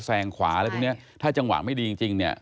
แซงขวาถ้าจังหวะไม่ดีจริง